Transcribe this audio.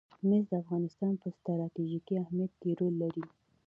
مس د افغانستان په ستراتیژیک اهمیت کې رول لري.